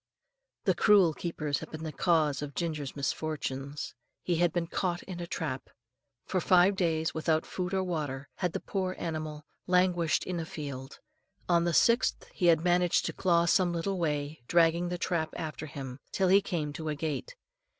The cruel keepers had been the cause of Ginger's misfortunes. He had been caught in a trap. For five days, without food or water, had the poor animal languished in a field. On the sixth he had managed to crawl some little way, dragging the trap after him, till he came to a gate.